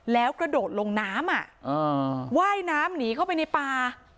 แล้วกระโดดลงน้ำอ่ะอือไหว้น้ำนีเข้าไปในปลา